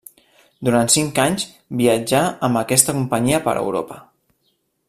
Durant cinc anys viatjà amb aquesta companyia per Europa.